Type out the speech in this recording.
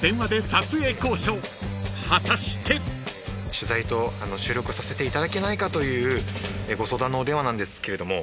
取材と収録をさせていただけないかというご相談のお電話なんですけれども。